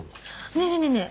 ねえねえねえねえ